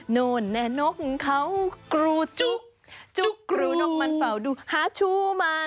โน่นแน่นกเขากรูจุ๊กจุ๊กกรูนกมันเฝ้าดูหาชู้มา